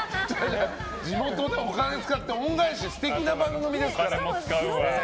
地元にお金を使って恩返しという素敵な番組ですから。